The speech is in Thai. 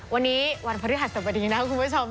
วันนี้วันพฤหัสสวัสดีนะคุณผู้ชม